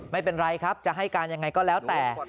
ไม่เป็นไรจะให้การอย่างไรก็แล้วแต่